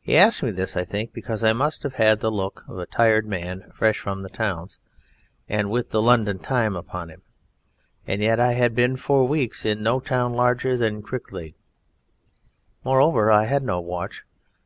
He asked me this, I think, because I must have had the look of a tired man fresh from the towns, and with the London time upon him, and yet I had been for weeks in no town larger than Cricklade: moreover, I had no watch.